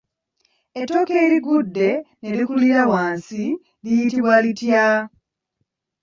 Ettooke erigudde ne likulira wansi liyitibwa litya?